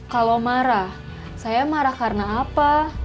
kalau marah saya marah karena apa